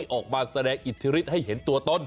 ออกมาแสดงอิทธิฤทธิให้เห็นตัวตน